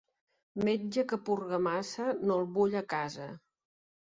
Metge que purga massa, no el vull a casa.